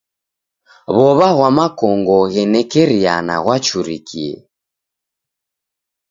W'ow'a ghwa makongo ghenekeriana ghwachurikie.